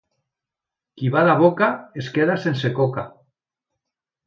Qui bada boca, es queda sense coca.